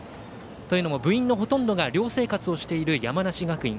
というのも部員のほとんどが寮生活をしている山梨学院。